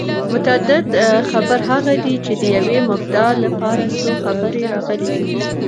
متعدد خبر هغه دئ، چي د یوې مبتداء له پاره څو خبره راغلي يي.